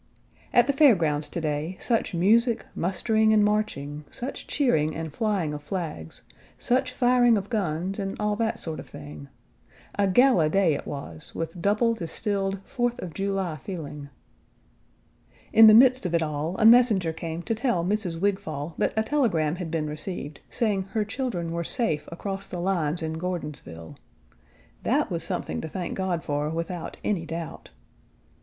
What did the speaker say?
At the fair grounds to day, such music, mustering, and marching, such cheering and flying of flags, such firing of guns and all that sort of thing. A gala day it was, with Page 97 double distilled Fourth of July feeling. In the midst of it all, a messenger came to tell Mrs. Wigfall that a telegram had been received, saying her children were safe across the lines in Gordonsville. That was something to thank God for, without any doubt.